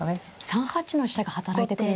３八の飛車が働いてくるんですね。